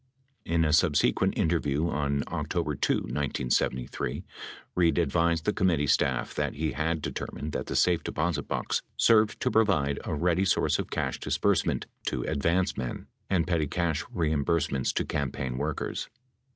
In a subsequent in terview on October 2, 1973, Reid advised the committee staff that he had determined that the safe deposit box served to provide a ready source of cash disbursement to advance men and petty cash reimburse ments to campaign workers.